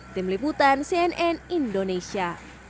tim liputan cnn indonesia